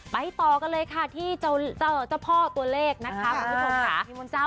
ไปต่อกันเลยค่ะที่เจ้าพ่อตัวเลขนะคะคุณผู้ชมค่ะ